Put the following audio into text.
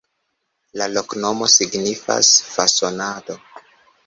La loknomo signifas: fasonado.